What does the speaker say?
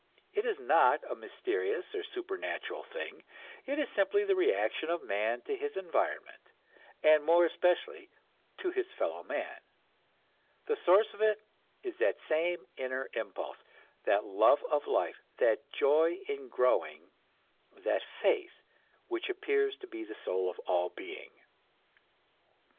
It is not a mysterious or supernatural thing, it is simply the reaction of man to his environment, and more especially to his fellow men. The source of it is that same inner impulse, that love of life, that joy in growing, that faith which appears to be the soul of all being.